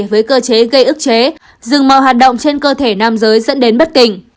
với cơ chế gây ức chế dừng màu hạt động trên cơ thể nam giới dẫn đến bất tỉnh